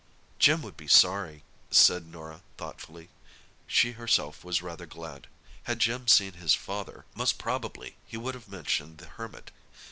"Jim would be sorry," said Norah thoughtfully. She herself was rather glad: had Jim seen his father, most probably he would have mentioned the Hermit.